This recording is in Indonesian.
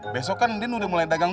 besok kan din udah mulai dagang